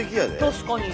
確かに。